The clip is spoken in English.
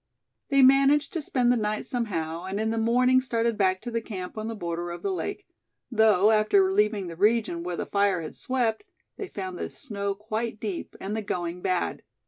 They managed to spend the night somehow, and in the morning started back to the camp on the border of the lake; though after leaving the region where the fire had swept, they found the snow quite deep, and the going bad.